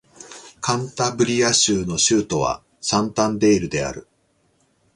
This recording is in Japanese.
カンタブリア州の州都はサンタンデールである